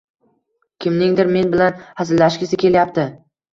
Kimningdir men bilan hazillashgisi kelyapti